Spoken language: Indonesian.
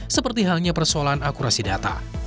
seperti halnya persoalan akurasi data